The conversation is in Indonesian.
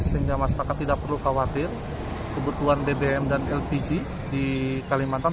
sehingga masyarakat tidak perlu khawatir kebutuhan bbm dan lpg di kalimantan